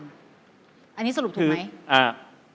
อันนี้สรุปถูกไหม